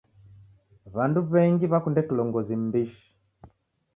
W'andu w'engi w'akunde kilongozi m'mbishi.